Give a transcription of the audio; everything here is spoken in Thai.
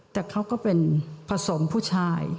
แต่เขาก็เป็นผสมผู้ชาย